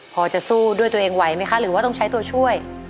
พอจะสู้ด้วยตัวเองไหวไหมคะหรือว่าต้องใช้ตัวช่วย